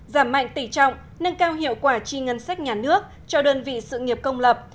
giảm mạnh tỉ trọng nâng cao hiệu quả chi ngân sách nhà nước cho đơn vị sự nghiệp công lập